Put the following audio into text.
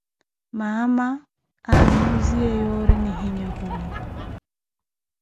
Mama etthu aanuziye yoori nihinyakhule.